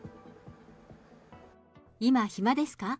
今、暇ですか。